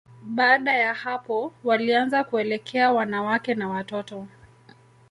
Baada ya hapo, walianza kuelekea wanawake na watoto.